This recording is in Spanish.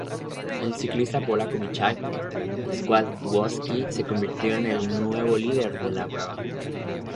El ciclista polaco Michał Kwiatkowski se convirtió en el nuevo líder de la prueba.